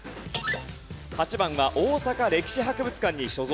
８番は大阪歴史博物館に所蔵。